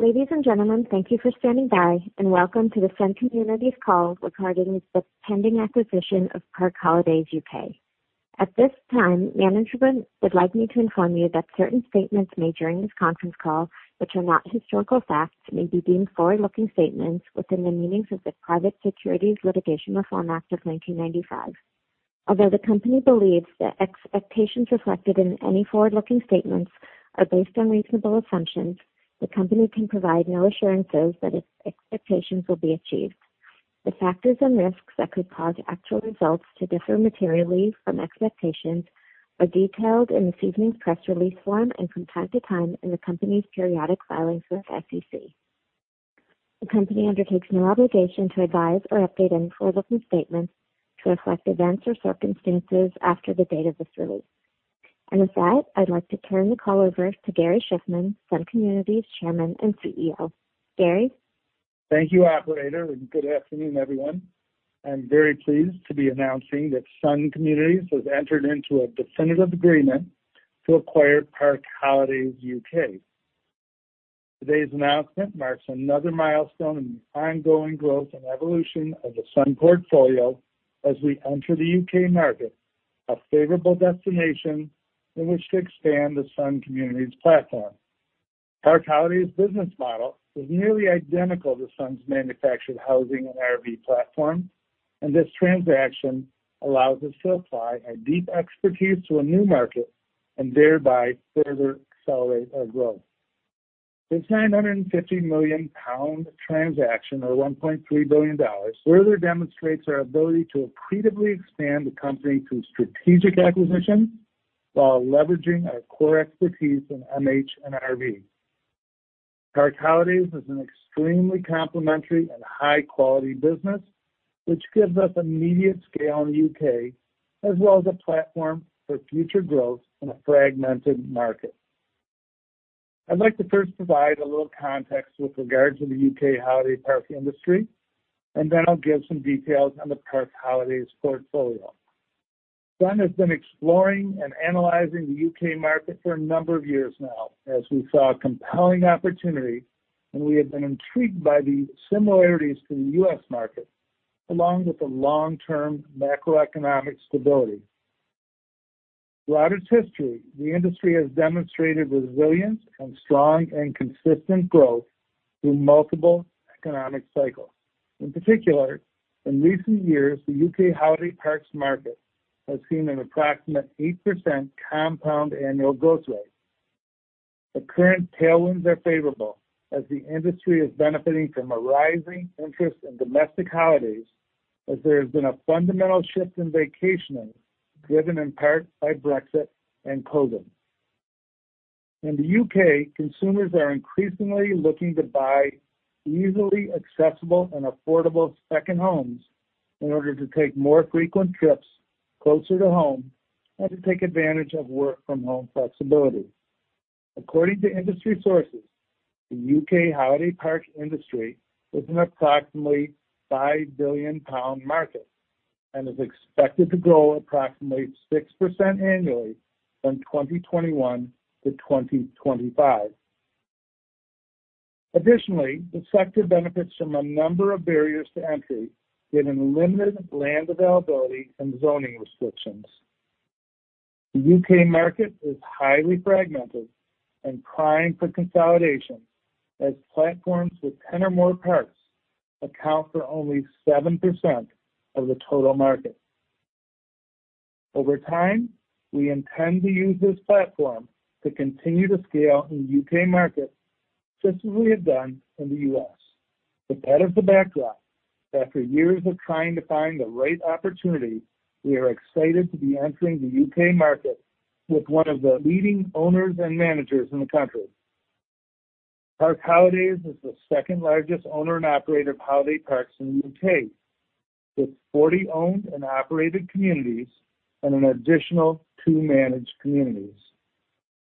Ladies and gentlemen, thank you for standing by, and welcome to the Sun Communities call regarding the pending acquisition of Park Holidays UK. At this time, management would like me to inform you that certain statements made during this conference call, which are not historical facts, may be deemed forward-looking statements within the meanings of the Private Securities Litigation Reform Act of 1995. Although the company believes that expectations reflected in any forward-looking statements are based on reasonable assumptions, the company can provide no assurances that its expectations will be achieved. The factors and risks that could cause actual results to differ materially from expectations are detailed in this evening's press release form and from time-to-time in the company's periodic filings with SEC. The company undertakes no obligation to revise or update any forward-looking statements to reflect events or circumstances after the date of this release. And with that, I'd like to turn the call over to Gary A. Shiffman, Sun Communities Chairman and CEO. Gary? Thank you, operator, and good afternoon, everyone. I'm very pleased to be announcing that Sun Communities has entered into a definitive agreement to acquire Park Holidays UK. Today's announcement marks another milestone in the ongoing growth and evolution of the Sun portfolio as we enter the U.K. market, a favorable destination in which to expand the Sun Communities platform. Park Holidays business model is nearly identical to Sun's manufactured housing and RV platform, and this transaction allows us to apply our deep expertise to a new market and thereby further accelerate our growth. This 950 million pound transaction, or $1.3 billion, further demonstrates our ability to accretively expand the company through strategic acquisition while leveraging our core expertise in MH and RV. Park Holidays is an extremely complementary and high-quality business, which gives us immediate scale in the U.K. as well as a platform for future growth in a fragmented market. I'd like to first provide a little context with regards to the U.K. holiday park industry, and then I'll give some details on the Park Holidays portfolio. Sun has been exploring and analyzing the U.K. market for a number of years now as we saw a compelling opportunity, and we have been intrigued by the similarities to the U.S. market, along with the long-term macroeconomic stability. Throughout its history, the industry has demonstrated resilience and strong and consistent growth through multiple economic cycles. In particular, in recent years, the U.K. holiday parks market has seen an approximate 8% compound annual growth rate. The current tailwinds are favorable as the industry is benefiting from a rising interest in domestic holidays, as there has been a fundamental shift in vacationing, driven in part by Brexit and COVID. In the U.K., consumers are increasingly looking to buy easily accessible and affordable second homes in order to take more frequent trips closer to home and to take advantage of work-from-home flexibility. According to industry sources, the U.K. holiday park industry is an approximately 5 billion pound market and is expected to grow approximately 6% annually from 2021 to 2025. Additionally, the sector benefits from a number of barriers to entry, given limited land availability and zoning restrictions. The U.K. market is highly fragmented and crying for consolidation, as platforms with 10 or more parks account for only 7% of the total market. Over time, we intend to use this platform to continue to scale in the U.K. market just as we have done in the U.S. With that as the backdrop, after years of trying to find the right opportunity, we are excited to be entering the U.K. market with one of the leading owners and managers in the country. Park Holidays is the second-largest owner and operator of holiday parks in the U.K., with 40 owned and operated communities and an additional two managed communities.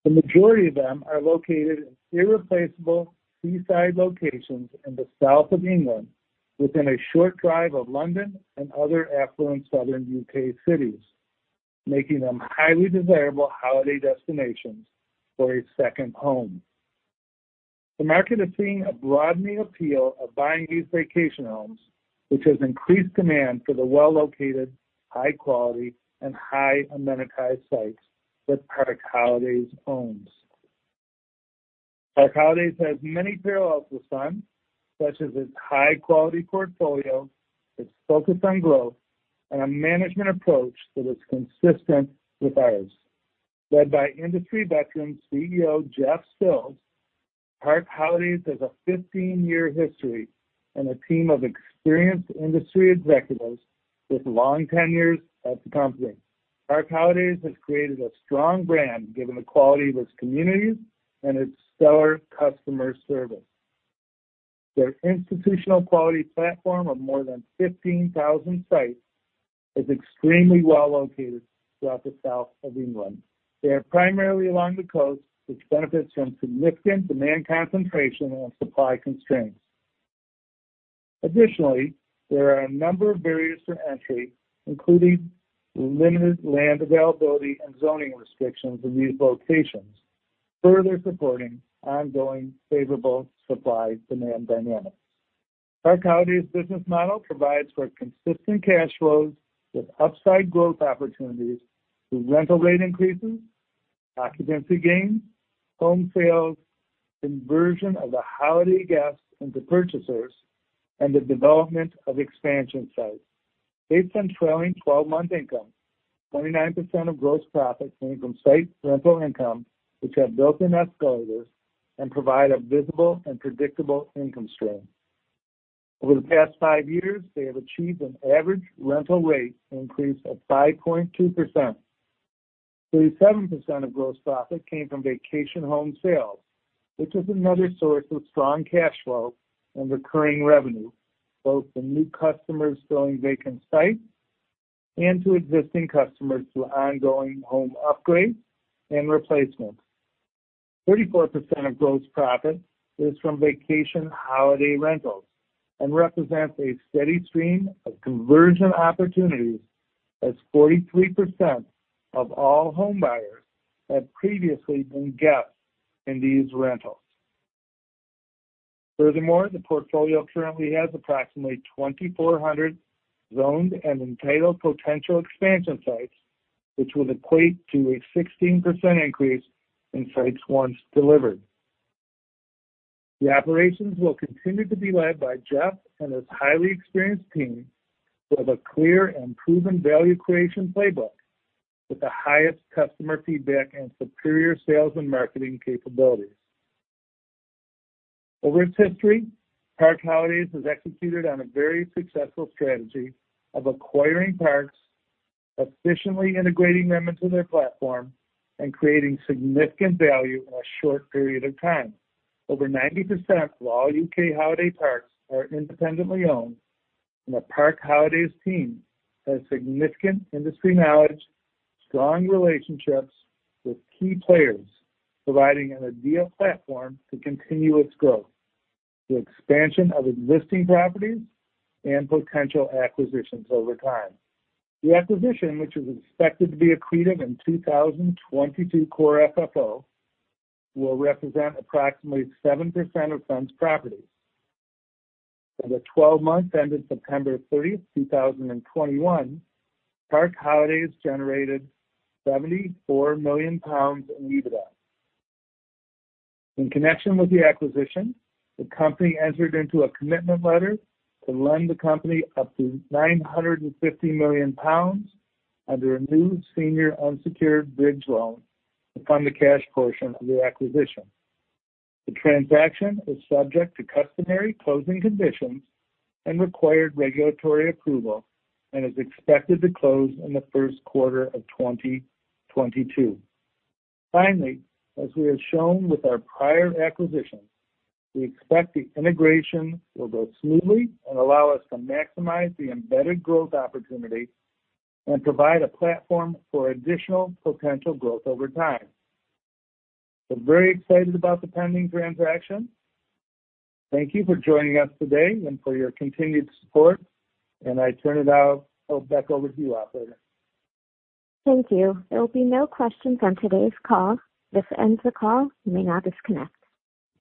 The majority of them are located in irreplaceable seaside locations in the South of England within a short drive of London and other affluent southern U.K. cities, making them highly desirable holiday destinations for a second home. The market is seeing a broadening appeal of buying these vacation homes, which has increased demand for the well-located, high-quality, and high-amenitized sites that Park Holidays owns. Park Holidays has many parallels with Sun, such as its high-quality portfolio, its focus on growth, and a management approach that is consistent with ours. Led by industry veteran CEO Jeff Sills, Park Holidays has a 15-year history and a team of experienced industry executives with long tenures at the company. Park Holidays has created a strong brand given the quality of its communities and its stellar customer service. Their institutional quality platform of more than 15,000 sites is extremely well-located throughout the South of England. They are primarily along the coast, which benefits from significant demand concentration and supply constraints. Additionally, there are a number of barriers to entry, including limited land availability and zoning restrictions in these locations, further supporting ongoing favorable supply-demand dynamics. Park Holidays business model provides for consistent cash flows with upside growth opportunities through rental rate increases, occupancy gains, home sales, conversion of the holiday guests into purchasers, and the development of expansion sites. Based on trailing 12-month income, 29% of gross profit came from site rental income, which have built-in escalators and provide a visible and predictable income stream. Over the past five years, they have achieved an average rental rate increase of 5.2%. 37% of gross profit came from vacation home sales, which is another source of strong cash flow and recurring revenue, both from new customers filling vacant sites and to existing customers through ongoing home upgrades and replacements. 34% of gross profit is from vacation holiday rentals and represents a steady stream of conversion opportunities, as 43% of all home buyers have previously been guests in these rentals. Furthermore, the portfolio currently has approximately 2,400 zoned and entitled potential expansion sites, which will equate to a 16% increase in sites once delivered. The operations will continue to be led by Jeff and his highly experienced team, who have a clear and proven value creation playbook with the highest customer feedback and superior sales and marketing capabilities. Over its history, Park Holidays has executed on a very successful strategy of acquiring parks, efficiently integrating them into their platform, and creating significant value in a short period of time. Over 90% of all U.K. holiday parks are independently owned, and the Park Holidays team has significant industry knowledge, strong relationships with key players, providing an ideal platform to continue its growth through expansion of existing properties and potential acquisitions over time. The acquisition, which is expected to be accretive in 2022 Core FFO, will represent approximately 7% of Sun's properties. For the 12 months ended September 30, 2021, Park Holidays generated 74 million pounds in EBITDA. In connection with the acquisition, the company entered into a commitment letter to lend the company up to 950 million pounds under a new senior unsecured bridge loan to fund the cash portion of the acquisition. The transaction is subject to customary closing conditions and required regulatory approval and is expected to close in the first quarter of 2022. Finally, as we have shown with our prior acquisitions, we expect the integration will go smoothly and allow us to maximize the embedded growth opportunity and provide a platform for additional potential growth over time. We're very excited about the pending transaction. Thank you for joining us today and for your continued support, and I turn it back over to you, operator. Thank you. There will be no questions on today's call. This ends the call. You may now disconnect.